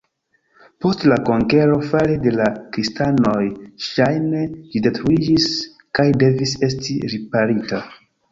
Post la konkero fare de la kristanoj ŝajne ĝi detruiĝis kaj devis esti riparita.